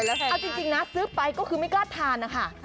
เอาจริงนะซื้อไปก็คือไม่กล้าทานนะคะ